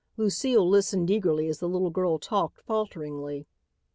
Lucile listened eagerly as the little girl talked falteringly.